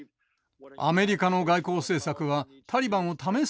アメリカの外交政策はタリバンを試すことです。